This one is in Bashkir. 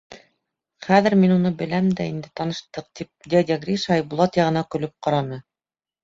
— Хәҙер мин уны ла беләм инде, таныштыҡ, — тип дядя Гриша Айбулат яғына көлөп ҡараны.